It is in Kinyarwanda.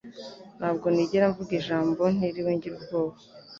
Ntabwo nigera mvuga ijambo ntiriwe ngira ubwoba.